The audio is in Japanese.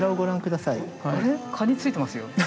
蟹ついてますよ。